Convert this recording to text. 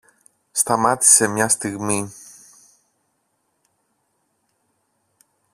Σταμάτησε μια στιγμή.